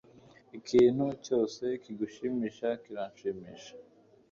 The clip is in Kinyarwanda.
Ikintu cyose kigushimisha kiranshimisha